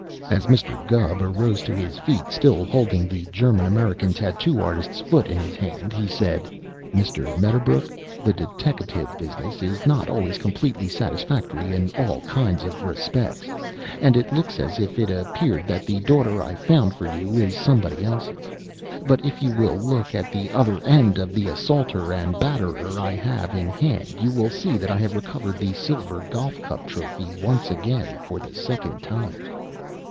As Mr. Gubb arose to his feet, still holding the German American tattoo artist's foot in his hand, he said: "Mr. Medderbrook, the deteckative business is not always completely satisfactory in all kinds of respects, and it looks as if it appeared that the daughter I found for you is somebody else's, but if you will look at the other end of the assaulter and batterer I have in hand, you will see that I have recovered the silver golf cup trophy once again for the second time."